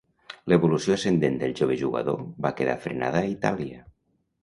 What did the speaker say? L'evolució ascendent del jove jugador va quedar frenada a Itàlia.